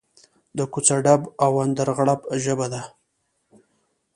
د کوڅه ډب او اندرغړب ژبه ده.